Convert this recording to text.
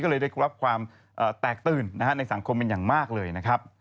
ก็เลยได้รับความแตกตื่นในสังคมเป็นอย่างมากเลยนะครับ